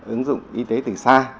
ứng dụng y tế từ xa